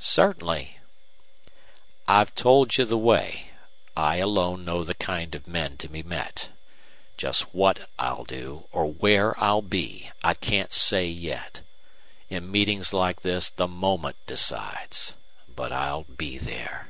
"Certainly." "I've told you the way. I alone know the kind of men to be met. Just WHAT I'll do or WHERE I'll be I can't say yet. In meetings like this the moment decides. But I'll be there!"